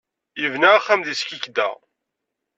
Yebna axxam deg Skikda.